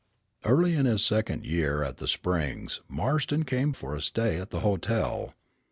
II Early in his second year at the Springs Marston came for a stay at the hotel.